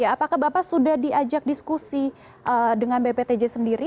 apakah bapak sudah diajak diskusi dengan bptj sendiri